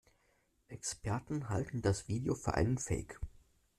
Experten halten das Video für einen Fake.